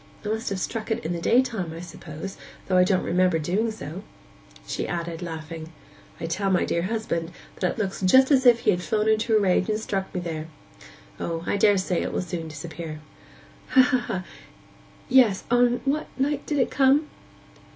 I must have struck it in the daytime, I suppose, though I don't remember doing so.' She added, laughing, 'I tell my dear husband that it looks just as if he had flown into a rage and struck me there. O, I daresay it will soon disappear.' 'Ha, ha! Yes ... On what night did it come?